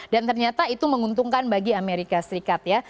dan ternyata itu menguntungkan bagi amerika serikat ya